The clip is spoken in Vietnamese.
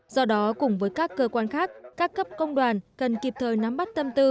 do đó cùng với các cơ quan khác các cấp công đoàn cần kịp thời nắm bắt tâm tư